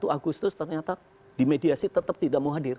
satu agustus ternyata di mediasi tetap tidak mau hadir